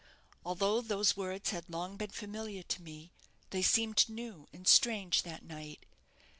Although those words had long been familiar to me, they seemed new and strange that night.